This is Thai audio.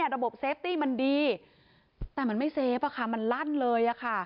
ระบบเซฟตี้มันดีแต่มันไม่เซฟมันลั่นเลย